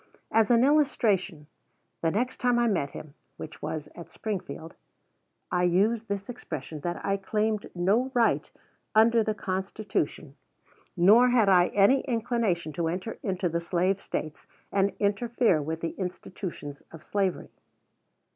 As an illustration, the next time I met him, which was at Springfield, I used this expression, that I claimed no right under the Constitution, nor had I any inclination, to enter into the Slave States and interfere with the institutions of slavery.